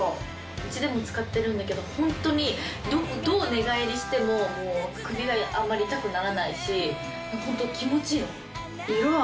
うちでも使ってるんだけどホントにどう寝返りしても首があんまり痛くならないしホント気持ちいいの。